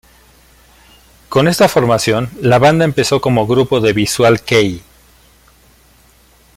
Con esta formación, la banda empezó como grupo de Visual Kei.